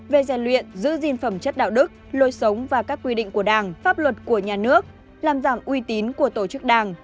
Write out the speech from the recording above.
về rèn luyện giữ gìn phẩm chất đạo đức lối sống và các quy định của đảng pháp luật của nhà nước làm giảm uy tín của tổ chức đảng